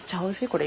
これ。